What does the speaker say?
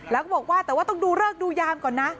แล้วก็บอกว่าแต่ว่าต้องดูเลิกดูยามก่อนนะ